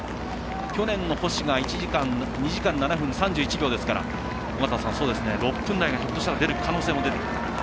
去年の星が２時間７分３１秒ですから尾方さん６分台がひょっとしたら出てくる可能性も出てきた。